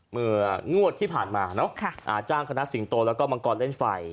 เมื่องวดที่ผ่านมาเนอะอาจารย์คณะสิงโตแล้วก็มังกรเล่นไฟ